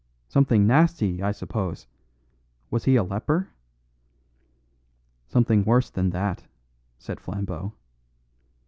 Something nasty, I suppose; was he a leper?" "Something worse than that," said Flambeau.